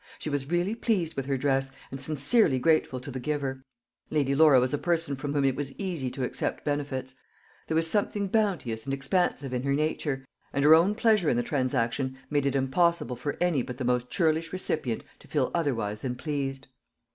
She was really pleased with her dress, and sincerely grateful to the giver. Lady Laura was a person from whom it was easy to accept benefits. There was something bounteous and expansive in her nature, and her own pleasure in the transaction made it impossible for any but the most churlish recipient to feel otherwise than pleased.